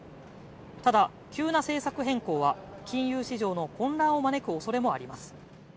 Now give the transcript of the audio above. ただ、急な政策変更は、金融市場の混乱を招く恐れもあります。